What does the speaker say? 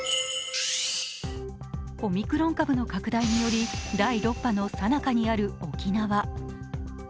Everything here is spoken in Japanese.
オミクロン株の拡大により第６波のさなかにある沖縄。